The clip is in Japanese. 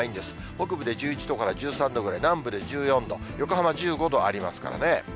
北部で１１度から１３度ぐらい、南部で１４度、横浜１５度ありますからね。